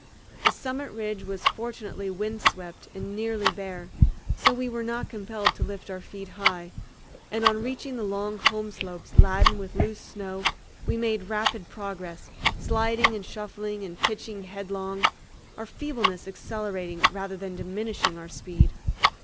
The summit ridge was fortunately wind swept and nearly bare, so we were not compelled to lift our feet high, and on reaching the long home slopes laden with loose snow we made rapid progress, sliding and shuffling and pitching headlong, our feebleness accelerating rather than diminishing our speed.